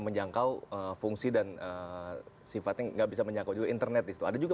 menjangkau fungsi dan sifatnya nggak bisa menjangkau internet itu ada juga